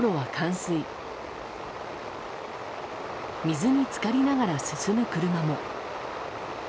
水に浸かりながら進む車も。